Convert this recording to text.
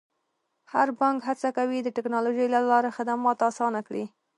هر بانک هڅه کوي د ټکنالوژۍ له لارې خدمات اسانه کړي.